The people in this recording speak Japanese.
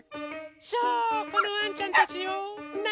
そうこのワンちゃんたちよ。ね！